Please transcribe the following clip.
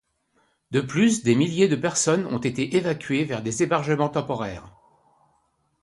De plus, des milliers de personnes ont été évacuées vers des hébergements temporaires.